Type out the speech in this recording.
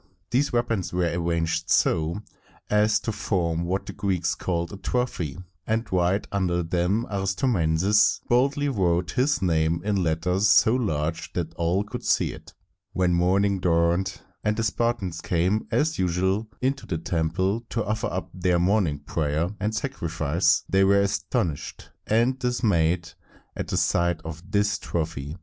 These weapons were arranged so as to form what the Greeks called a trophy, and right under them Aristomenes boldly wrote his name in letters so large that all could see it. When morning dawned, and the Spartans came as usual into the temple to offer up their morning prayer and sacrifice, they were astonished and dismayed at the sight of this trophy.